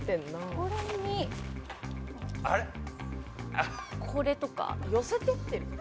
これにこれとか寄せてってる？